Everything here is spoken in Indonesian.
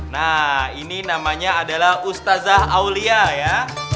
nah ini namanya adalah ustazah aulia ya